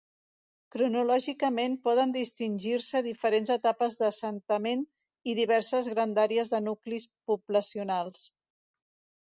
Cronològicament poden distingir-se diferents etapes d'assentament i diverses grandàries de nuclis poblacionals.